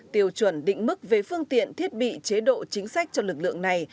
tiêu chuẩn định mức về phương tiện thiết bị chế độ chính sách cho lực lượng này